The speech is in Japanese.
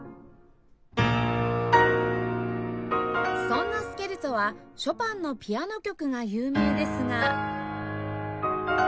そんなスケルツォはショパンのピアノ曲が有名ですが